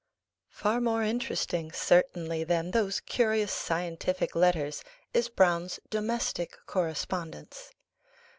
Far more interesting certainly than those curious scientific letters is Browne's "domestic correspondence."